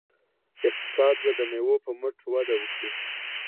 اقتصاد به د میوو په مټ وده وکړي.